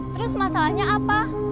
terus masalahnya apa